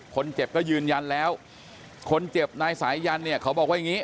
คนเจ็บก็ยืนยันแล้วคนเจ็บนายสายันเนี่ยเขาบอกว่าอย่างนี้